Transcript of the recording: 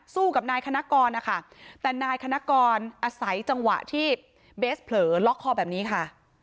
กับนายคณะกรนะคะแต่นายคณะกรอาศัยจังหวะที่เบสเผลอล็อกคอแบบนี้ค่ะ